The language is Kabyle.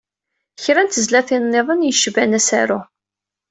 Kra n tezlatin-nniḍen yecban « A asaru ».